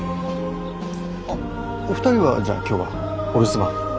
あっお二人はじゃあ今日はお留守番？